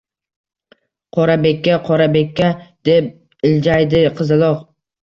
– Qorabeka, Qorabeka! – deb iljaydi qizaloq